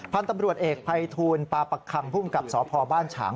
พันธุ์ตำรวจเอกภัยทูลปาปักคังภูมิกับสพบ้านฉาง